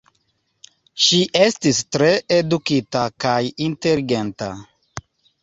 Ŝi estis tre edukita kaj inteligenta.